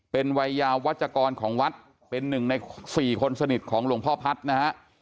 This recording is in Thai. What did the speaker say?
เป็นวัยยาวัชกรของวัดเป็นหนึ่งใน๔คนสนิทของหลวงพ่อพัฒน์นะฮะ